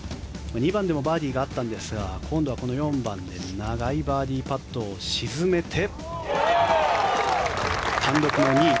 ２番でもバーディーがあったんですが今度はこの４番で長いバーディーパットを沈めて単独の２位。